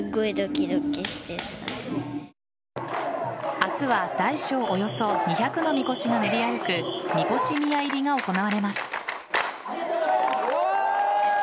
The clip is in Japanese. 明日は大小およそ２００の神輿が練り歩く神輿宮入が行われます。